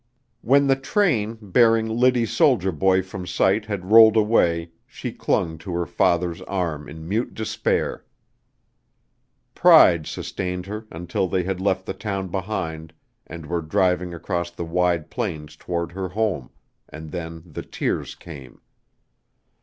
When the train bearing Liddy's soldier boy from sight had rolled away she clung to her father's arm in mute despair. Pride sustained her until they had left the town behind, and were driving across the wide plains toward her home, and then the tears came.